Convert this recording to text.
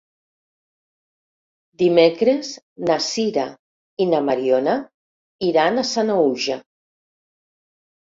Dimecres na Sira i na Mariona iran a Sanaüja.